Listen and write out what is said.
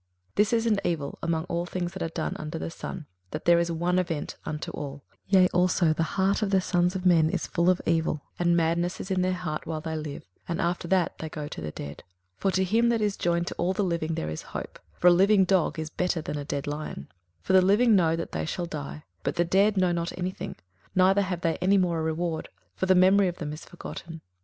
21:009:003 This is an evil among all things that are done under the sun, that there is one event unto all: yea, also the heart of the sons of men is full of evil, and madness is in their heart while they live, and after that they go to the dead. 21:009:004 For to him that is joined to all the living there is hope: for a living dog is better than a dead lion. 21:009:005 For the living know that they shall die: but the dead know not any thing, neither have they any more a reward; for the memory of them is forgotten.